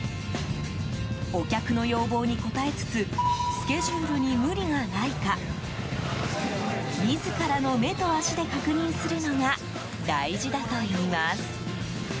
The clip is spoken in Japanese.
お客の要望に応えつつスケジュールに無理がないか自らの目と足で確認するのが大事だといいます。